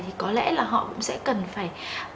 thì có lẽ là họ cũng sẽ cần phải